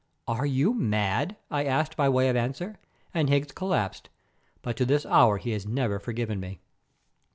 "Are you mad?" I asked by way of answer, and Higgs collapsed, but to this hour he has never forgiven me.